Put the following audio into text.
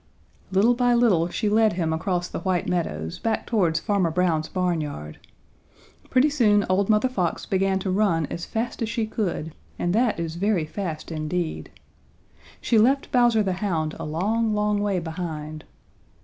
Little by little she led him across the White Meadows back towards Farmer Brown's barnyard. Pretty soon old Mother Fox began to run as fast as she could, and that is very fast indeed. She left Bowser the Hound a long, long way behind.